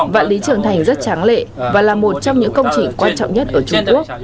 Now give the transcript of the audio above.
vạn lý trường thành rất tráng lệ và là một trong những công trình quan trọng nhất ở trung quốc